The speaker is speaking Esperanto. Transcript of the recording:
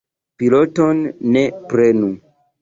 Piloton ne prenu.